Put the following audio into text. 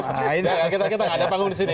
kita tidak ada panggung di sini